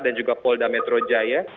dan juga polda metro jaya